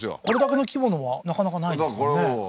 これだけの規模のはなかなかないですからね